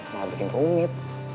malah bikin rumit